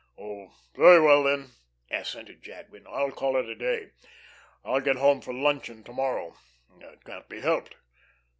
"Oh, very well, then," assented Jadwin. "I'll call it a day. I'll get home for luncheon to morrow. It can't be helped.